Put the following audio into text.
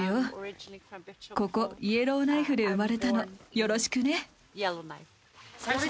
よろしくね。